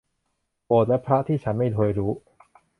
โบสถ์และพระที่ฉันไม่เคยรู้